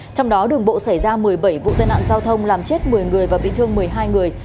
trong đó đường bộ xảy ra một mươi bảy vụ tai nạn giao thông làm chết một mươi người và bị thương một mươi hai người